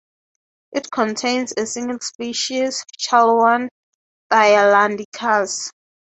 It contains a single species, "Chalawan thailandicus".